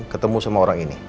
ketemu semua orang ini